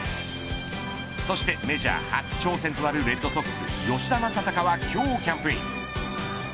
そしてメジャー初挑戦となるレッドソックス、吉田正尚は今日、キャンプイン。